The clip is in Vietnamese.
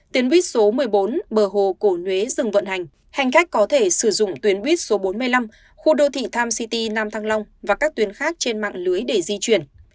tuyến buýt số một mươi bốn bờ hồ cổ nhuế dừng vận hành hành khách có thể sử dụng tuyến buýt số bốn mươi năm khu đô thị tom city nam thăng long và các tuyến khác trên mạng lưới để di chuyển